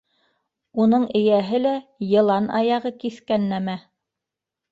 - Уның эйәһе лә йылан аяғы киҫкән нәмә.